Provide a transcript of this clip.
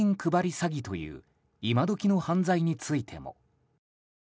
詐欺という今どきの犯罪についても。